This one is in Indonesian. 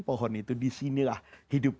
pohon itu disinilah hidup